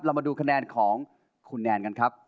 มาดูคะแนนของคุณแนนกันครับ